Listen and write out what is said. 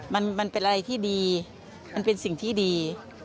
มันเป็นอะไรที่ดีมันเป็นสิ่งที่ดี